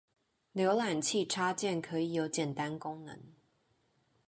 瀏覽器插件可以有簡單功能